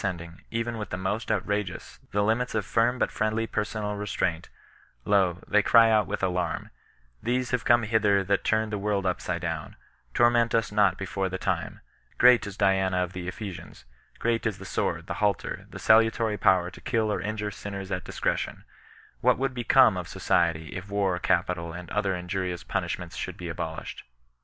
tmifloending, even with the most outrageous, the limits of finn but fnendly personal restraint, lo, they cry out with alarm, '< these have come hither that turn the tporld upside down /'*" Tomveva %bs 7u>t before the timer " Oreat is Diana of the Ephesians /" Great is the sword, the halter, the salutary power to hiU or injwre sinners at discretion 1 What would become of human so ciety, if war, capital, and other injurious punishments should be abolished